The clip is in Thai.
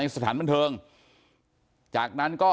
ไปเที่ยวสถานบันเทิงแห่งหนึ่งแล้วไปคำเมนต์กับวัยรุ่นฝั่งตรงข้ามในสถานบันเทิง